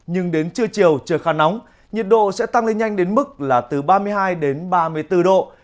nhưng đến trưa chiều trời khá nóng nhiệt độ sẽ tăng lên nhanh đến mức là từ ba mươi hai đến ba mươi bốn độ